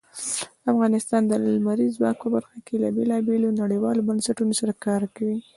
افغانستان د لمریز ځواک په برخه کې له بېلابېلو نړیوالو بنسټونو سره کار کوي.